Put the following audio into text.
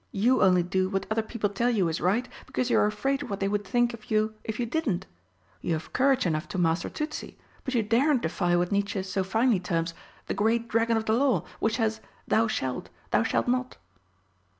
You only do what other people tell you is right because you're afraid of what they would think of you if you didn't. You have courage enough to master Tützi, but you daren't defy what Nietzsche so finely terms 'the Great Dragon of the Law,' which says: 'Thou shalt' 'Thou shalt not.'"